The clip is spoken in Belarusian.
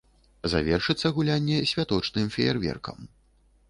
Завершыцца гулянне святочным феерверкам.